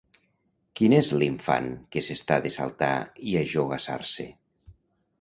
Quin és l'infant, que s'està de saltar i ajogassar-se?